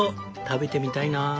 食べてみたいなぁ。